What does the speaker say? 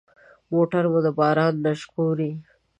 موټر مو د باران نه ژغوري.